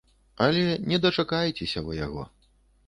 Але не дачакаецеся вы яго.